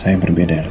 saya berbeda arso